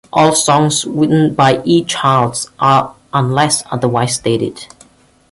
All songs written by E. Childs, unless otherwise stated.